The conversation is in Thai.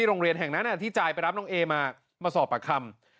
โรงเรียนแห่งนั้นที่จ่ายไปรับน้องเอมามาสอบปากคำ